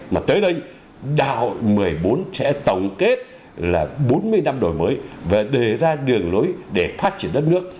mà tới đây đại hội một mươi bốn sẽ tổng kết là bốn mươi năm đổi mới và đề ra đường lối để phát triển đất nước